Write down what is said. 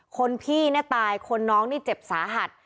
คนพี่เนี่ยตายคนน้องนี่เจ็บสาหัส